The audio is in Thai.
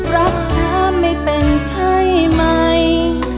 รักษาไม่เป็นใช่ไหม